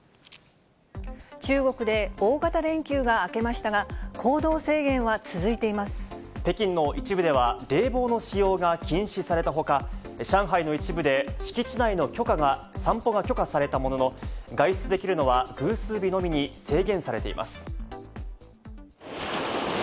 中国で大型連休が明けました北京の一部では、冷房の使用が禁止されたほか、上海の一部で敷地内の散歩が許可されたものの、外出できるのは偶数日のみに制限されています。